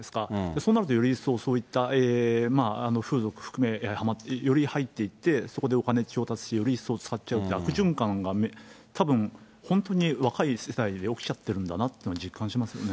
そうなるとより一層そういった風俗含め、より入っていって、そこでお金調達してより一層使っちゃうっていう、悪循環がたぶん、本当に若い世代で起きちゃってるんだなって実感しますよね。